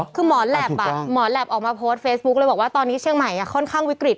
คือหมอแหลปหมอแหลปออกมาโพสต์เฟซบุ๊คเลยบอกว่าตอนนี้เชียงใหม่ค่อนข้างวิกฤต